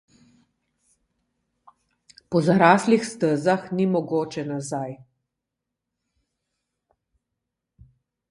Po zaraslih stezah ni mogoče nazaj.